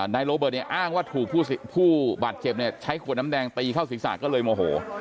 นายโรเบิร์ตเนี่ยอ้างว่าถูกผู้บาดเจ็บเนี่ยใช้ขวดน้ำแดงตีเข้าศีรษะก็เลยโมโห